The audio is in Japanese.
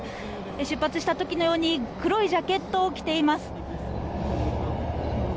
出発した時のように黒いジャケットを着ています。